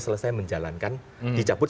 selesai menjalankan dicabut